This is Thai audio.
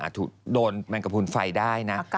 ถูกโดนแมงกระพูนไฟได้นะ